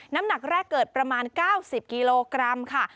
น้ำหนักแรกเกิดประมาณ๙๐กิโลกรัมค่ะ